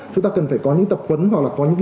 chúng ta cần phải có những tập quấn hoặc là có những